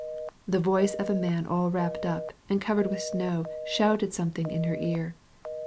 The voice of a man muffled up and covered with snow shouted something in her ear.